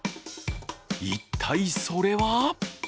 一体、それは？